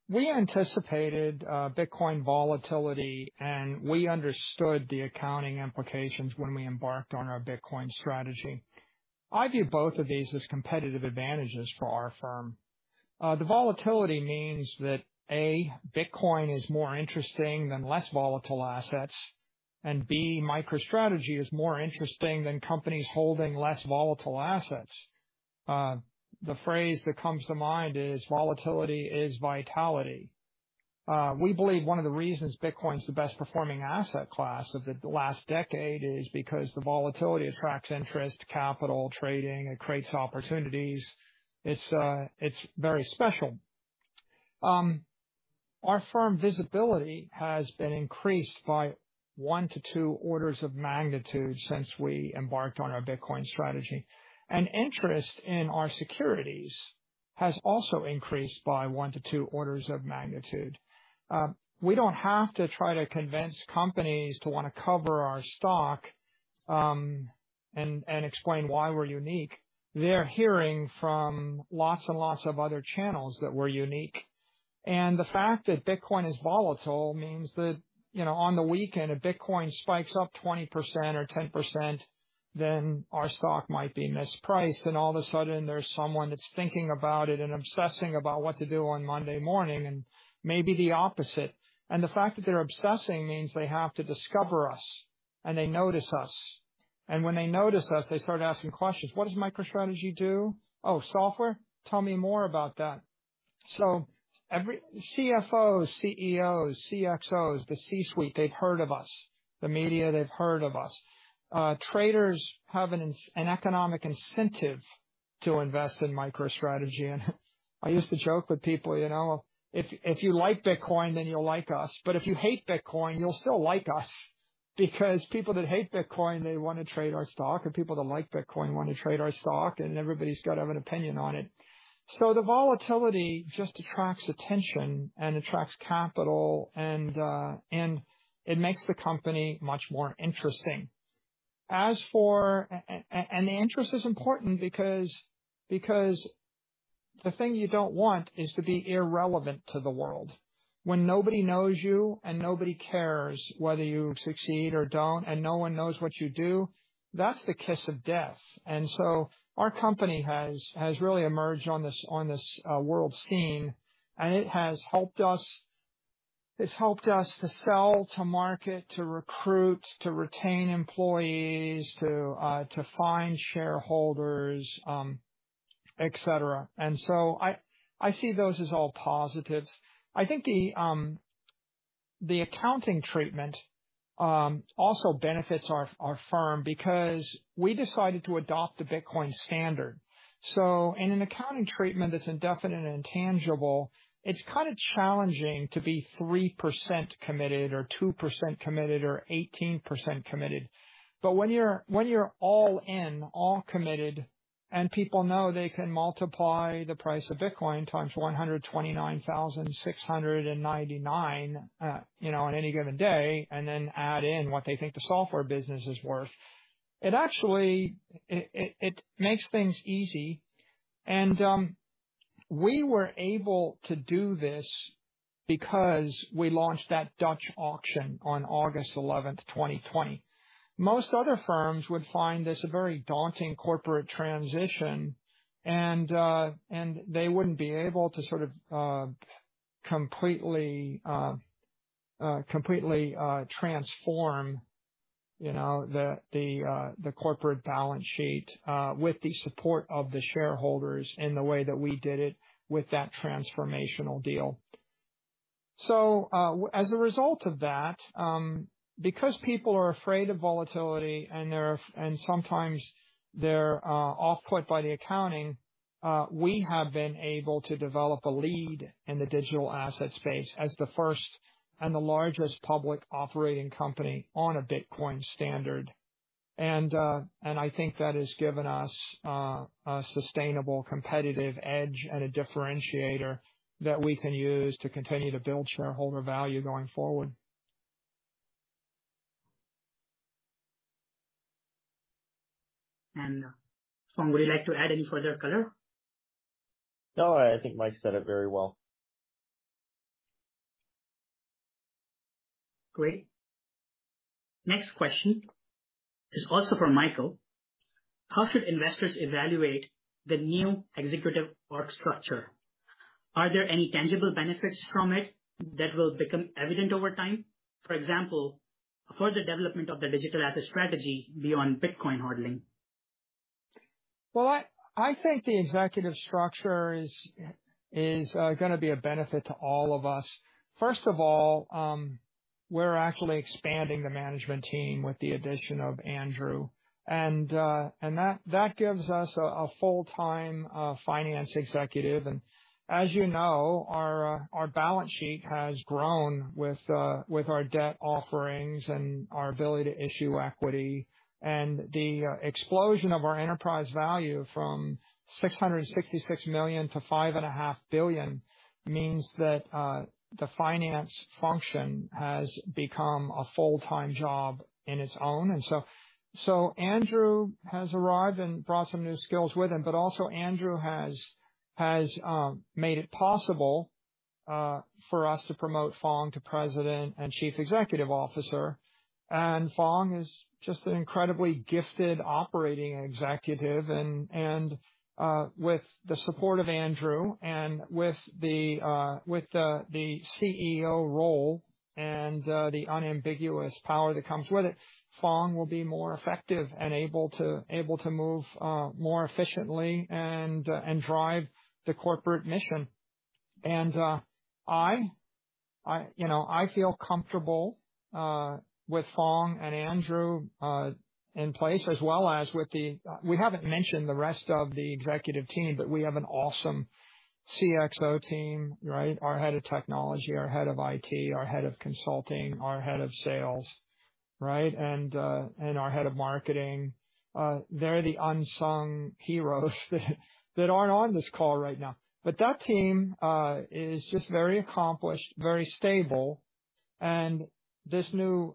We anticipated Bitcoin volatility, and we understood the accounting implications when we embarked on our Bitcoin strategy. I view both of these as competitive advantages for our firm. The volatility means that, A, Bitcoin is more interesting than less volatile assets, and B, MicroStrategy is more interesting than companies holding less volatile assets. The phrase that comes to mind is volatility is vitality. We believe one of the reasons Bitcoin is the best performing asset class of the last decade is because the volatility attracts interest, capital, trading. It creates opportunities. It's very special. Our firm visibility has been increased by one to two orders of magnitude since we embarked on our Bitcoin strategy, and interest in our securities has also increased by one to two orders of magnitude. We don't have to try to convince companies to wanna cover our stock, and explain why we're unique. They're hearing from lots and lots of other channels that we're unique. The fact that Bitcoin is volatile means that, you know, on the weekend, if Bitcoin spikes up 20% or 10%, then our stock might be mispriced, and all of a sudden there's someone that's thinking about it and obsessing about what to do on Monday morning, and maybe the opposite. The fact that they're obsessing means they have to discover us and they notice us. When they notice us, they start asking questions. What does MicroStrategy do? Oh, software. Tell me more about that. Every CFO, CEOs, CXOs, the C-suite, they've heard of us. The media, they've heard of us. Traders have an economic incentive to invest in MicroStrategy. I used to joke with people, you know, if you like Bitcoin, then you'll like us, but if you hate Bitcoin, you'll still like us because people that hate Bitcoin, they wanna trade our stock, and people that like Bitcoin wanna trade our stock, and everybody's got to have an opinion on it. The volatility just attracts attention and attracts capital and it makes the company much more interesting. The interest is important because the thing you don't want is to be irrelevant to the world. When nobody knows you and nobody cares whether you succeed or don't and no one knows what you do, that's the kiss of death. Our company has really emerged on this world scene, and it has helped us, it's helped us to sell, to market, to recruit, to retain employees, to find shareholders, et cetera. I see those as all positives. I think the accounting treatment also benefits our firm because we decided to adopt the Bitcoin standard. In an accounting treatment that's indefinite and intangible, it's kind of challenging to be 3% committed or 2% committed or 18% committed. When you're all in, all committed and people know they can multiply the price of Bitcoin times 129,699, you know, on any given day, and then add in what they think the software business is worth, it actually makes things easy. We were able to do this because we launched that Dutch auction on August 11, 2020. Most other firms would find this a very daunting corporate transition and they wouldn't be able to sort of completely transform, you know, the corporate balance sheet with the support of the shareholders in the way that we did it with that transformational deal. As a result of that, because people are afraid of volatility, and sometimes they're off-put by the accounting, we have been able to develop a lead in the digital asset space as the first and the largest public operating company on a Bitcoin standard. I think that has given us a sustainable competitive edge and a differentiator that we can use to continue to build shareholder value going forward. Phong, would you like to add any further color? No, I think Mike said it very well. Great. Next question is also for Michael. How should investors evaluate the new executive org structure? Are there any tangible benefits from it that will become evident over time, for example, for the development of the digital asset strategy beyond Bitcoin hodling? Well, I think the executive structure is gonna be a benefit to all of us. First of all, we're actually expanding the management team with the addition of Andrew. That gives us a full-time finance executive. As you know, our balance sheet has grown with our debt offerings and our ability to issue equity. The explosion of our enterprise value from $666 million to $5.5 billion means that the finance function has become a full-time job in its own. Andrew has arrived and brought some new skills with him, but also Andrew has made it possible for us to promote Phong to President and Chief Executive Officer. Phong is just an incredibly gifted operating executive and with the support of Andrew and with the CEO role and the unambiguous power that comes with it, Phong will be more effective and able to move more efficiently and drive the corporate mission. You know, I feel comfortable with Phong and Andrew in place as well as with the rest of the executive team, but we have an awesome CXO team, right? Our head of technology, our head of IT, our head of consulting, our head of sales, right? Our head of marketing. They're the unsung heroes that aren't on this call right now. That team is just very accomplished, very stable. This new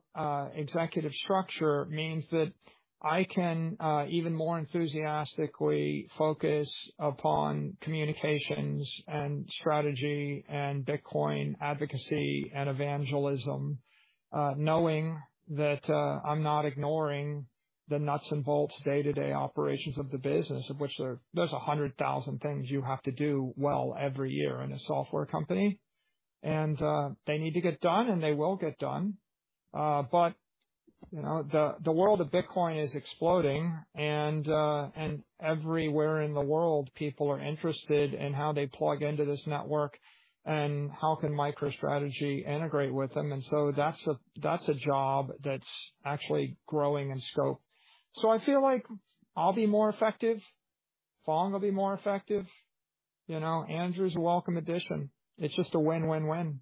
executive structure means that I can even more enthusiastically focus upon communications and strategy and Bitcoin advocacy and evangelism, knowing that I'm not ignoring the nuts and bolts day-to-day operations of the business, of which there's 100,000 things you have to do well every year in a software company. They need to get done, and they will get done. You know, the world of Bitcoin is exploding, and everywhere in the world, people are interested in how they plug into this network and how can MicroStrategy integrate with them. That's a job that's actually growing in scope. I feel like I'll be more effective. Phong will be more effective. You know, Andrew's a welcome addition. It's just a win-win-win.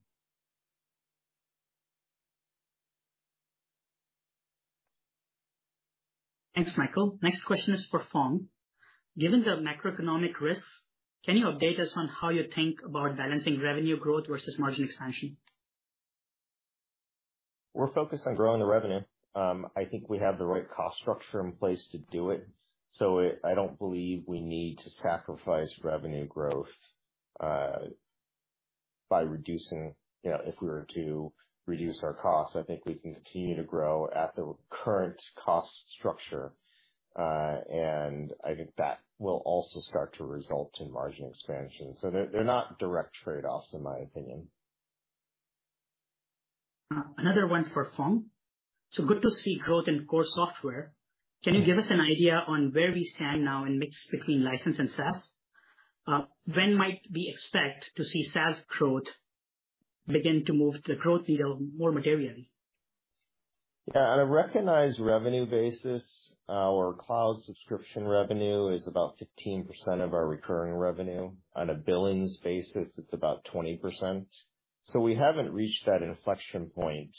Thanks, Michael. Next question is for Phong. Given the macroeconomic risks, can you update us on how you think about balancing revenue growth versus margin expansion? We're focused on growing the revenue. I think we have the right cost structure in place to do it, so I don't believe we need to sacrifice revenue growth by reducing. You know, if we were to reduce our costs, I think we can continue to grow at the current cost structure. I think that will also start to result in margin expansion. They're not direct trade-offs, in my opinion. Another one for Phong. Good to see growth in core software. Can you give us an idea on where we stand now in mix between license and SaaS? When might we expect to see SaaS growth begin to move the growth needle more materially? Yeah. On a recognized revenue basis, our cloud subscription revenue is about 15% of our recurring revenue. On a billings basis, it's about 20%. We haven't reached that inflection point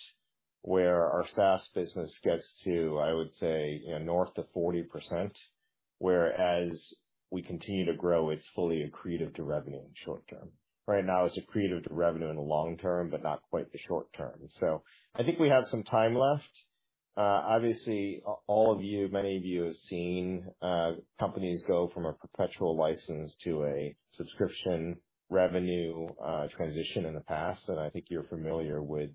where our SaaS business gets to, I would say, you know, north of 40%. Whereas we continue to grow, it's fully accretive to revenue in the short term. Right now it's accretive to revenue in the long-term, but not quite the short term. I think we have some time left. Obviously all of you, many of you have seen companies go from a perpetual license to a subscription revenue transition in the past. I think you're familiar with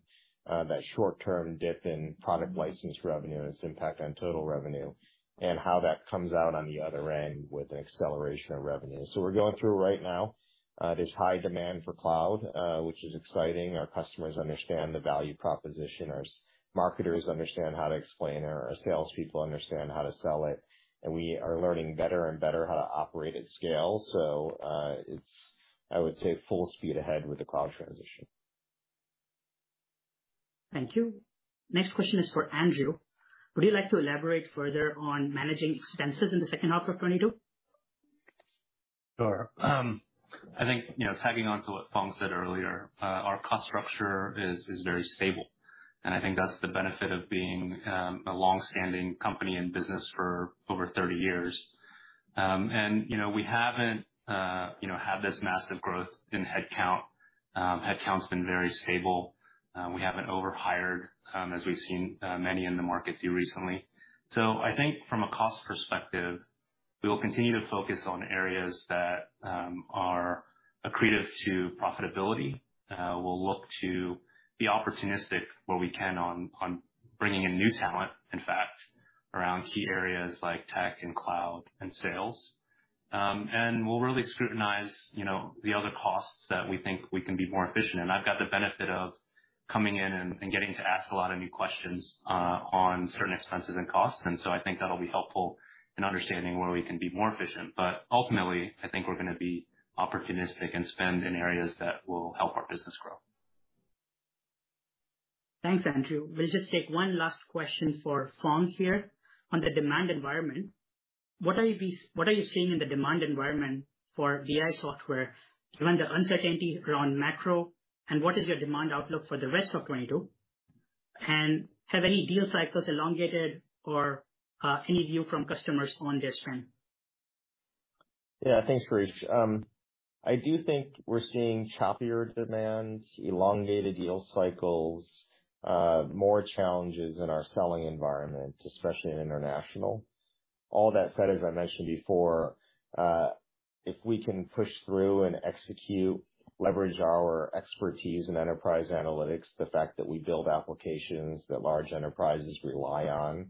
that short-term dip in product license revenue and its impact on total revenue and how that comes out on the other end with an acceleration of revenue. We're going through right now this high demand for cloud, which is exciting. Our customers understand the value proposition, our marketers understand how to explain it, our salespeople understand how to sell it, and we are learning better and better how to operate at scale. It's, I would say, full speed ahead with the cloud transition. Thank you. Next question is for Andrew. Would you like to elaborate further on managing expenses in the second half of 2022? Sure. I think, you know, tagging on to what Phong said earlier, our cost structure is very stable, and I think that's the benefit of being a long-standing company in business for over 30 years. You know, we haven't had this massive growth in headcount. Headcount's been very stable. We haven't overhired, as we've seen many in the market do recently. I think from a cost perspective, we will continue to focus on areas that are accretive to profitability. We'll look to be opportunistic where we can on bringing in new talent, in fact, around key areas like tech and cloud and sales. We'll really scrutinize, you know, the other costs that we think we can be more efficient in. I've got the benefit of coming in and getting to ask a lot of new questions on certain expenses and costs, and so I think that'll be helpful in understanding where we can be more efficient. Ultimately, I think we're gonna be opportunistic and spend in areas that will help our business grow. Thanks, Andrew. We'll just take one last question for Phong here on the demand environment. What are you seeing in the demand environment for BI Software given the uncertainty around macro, and what is your demand outlook for the rest of 2022? Have any deal cycles elongated or any view from customers on this trend? Yeah. Thanks, Shirish. I do think we're seeing choppier demands, elongated deal cycles, more challenges in our selling environment, especially in international. All that said, as I mentioned before, if we can push through and execute, leverage our expertise in enterprise analytics, the fact that we build applications that large enterprises rely on,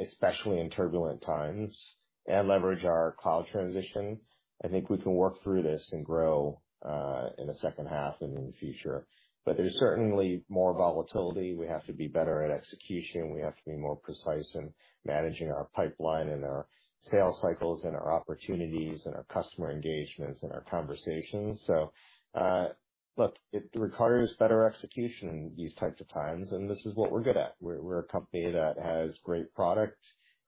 especially in turbulent times, and leverage our cloud transition, I think we can work through this and grow in the second half and in the future. But there's certainly more volatility. We have to be better at execution. We have to be more precise in managing our pipeline and our sales cycles and our opportunities and our customer engagements and our conversations. Look, it requires better execution in these types of times, and this is what we're good at. We're a company that has great product,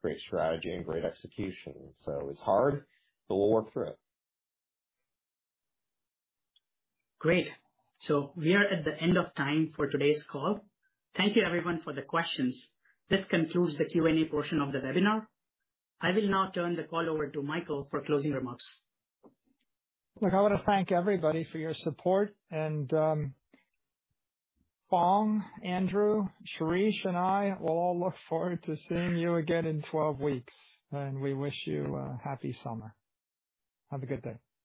great strategy, and great execution. It's hard, but we'll work through it. Great. We are at the end of time for today's call. Thank you everyone for the questions. This concludes the Q&A portion of the webinar. I will now turn the call over to Michael for closing remarks. Look, I wanna thank everybody for your support and, Phong, Andrew, Shirish, and I will all look forward to seeing you again in 12 weeks, and we wish you a happy summer. Have a good day.